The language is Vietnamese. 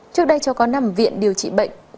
trước đây cháu có nằm viện điều trị bệnh